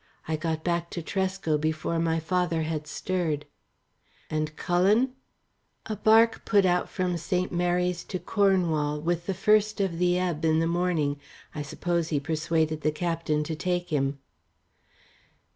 I got back to Tresco before my father had stirred." "And Cullen?" "A barque put out from St. Mary's to Cornwall with the first of the ebb in the morning. I suppose he persuaded the captain to take him."